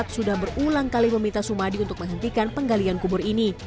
sudah berulang kali meminta sumadi untuk menghentikan penggalian kubur ini